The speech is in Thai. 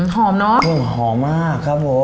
หอมเนอะหอมมากครับผม